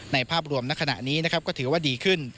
ในภาพรวมในขณะนี้ก็ถือว่าดีขึ้น